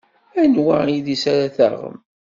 Anwa idis ara taɣem?